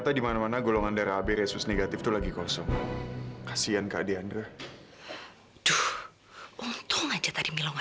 sampai jumpa di video selanjutnya